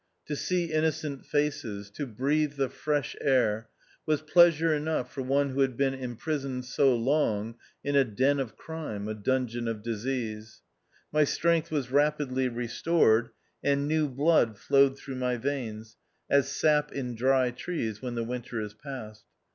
To see in nocent faces, to breathe the fresh air, was pleasure enough for one who had been im prisoned so long in a den of crime, a dun geon of disease. My strength was rapidly restored, and new blood flowed through my veins, as sap in dry trees when the winter is past.